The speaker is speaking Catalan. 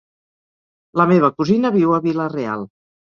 La meva cosina viu a Vila-real.